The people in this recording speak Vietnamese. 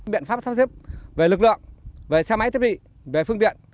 biện pháp sắp xếp về lực lượng về xe máy thiết bị về phương tiện